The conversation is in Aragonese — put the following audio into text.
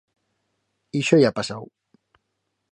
Ixo ya ha pasau.